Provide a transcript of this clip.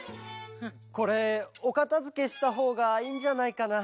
これおかたづけしたほうがいいんじゃないかな？